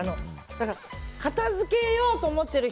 だから、片付けようと思っている